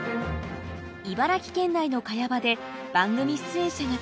茨城県内の茅場で番組出演者が集い